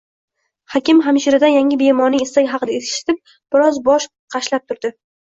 Hakim hamshiradan yangi bemorning istagi haqida eshitib, biroz bosh qashlab turdi